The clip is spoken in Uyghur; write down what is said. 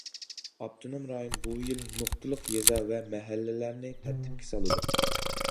ئاپتونوم رايون بۇ يىل نۇقتىلىق يېزا ۋە مەھەللىلەرنى تەرتىپكە سالىدۇ.